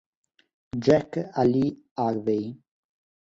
Jak Ali Harvey